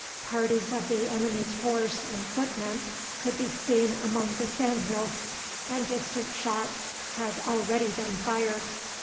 Parties of the enemy's horse and foot men could be seen among the sand hills, and distant shots had already been fired.